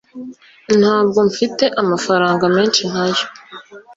ntabwo mfite amafaranga menshi nkayo